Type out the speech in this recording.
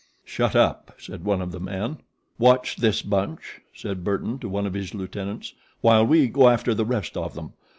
"Shut up!" said one of the men. "Watch this bunch," said Burton to one of his lieutenants, "while we go after the rest of them.